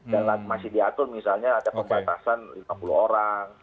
masih diatur misalnya ada pembatasan lima puluh orang